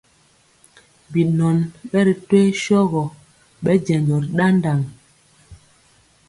Binɔn ɓɛ ri toyee sɔgɔ ɓɛ jɛnjɔ ri ɗaɗaŋ.